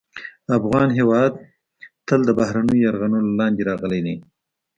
افغان هېواد تل د بهرنیو یرغلونو لاندې راغلی دی